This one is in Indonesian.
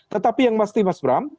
tetapi yang pasti mas bram